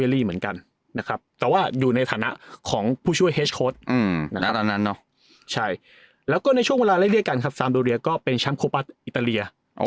แล้วก็เป็นช้ำบอลยูโร๒๐๒๐ที่เตะในปี๒๐๒๑